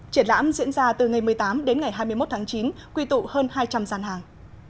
triển lãm diễn ra từ ngày một mươi tám đến ngày hai mươi một tháng chín quy tụ hơn hai trăm linh gian hàng